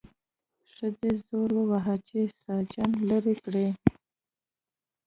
ښځې زور وواهه چې ساسچن لرې کړي.